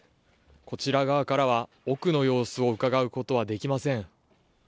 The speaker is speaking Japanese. こちら側からは、奥の様子をうかがうことはできません。